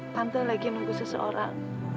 tante lagi nunggu seseorang